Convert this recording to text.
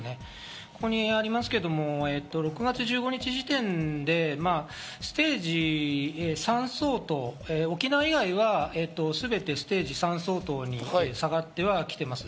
ここにありますけど、６月１５日時点でステージ３相当、沖縄以外は全てステージ３相当に下がってはきています。